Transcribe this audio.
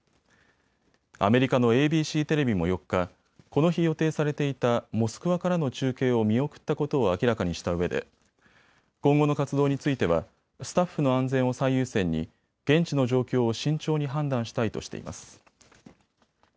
アメリカのＡＢＣテレビも４日、この日、予定されていたモスクワからの中継を見送ったことを明らかにしたうえで今後の活動についてはスタッフの安全を最優先に現地の状況を慎重に判断したいとしています。